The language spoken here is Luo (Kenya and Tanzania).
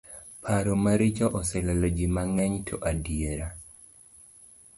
Paro maricho oselalo ji mang'eny to adiera.